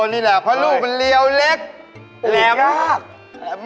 ไม่ยากเลยเรียวเล็กแหลม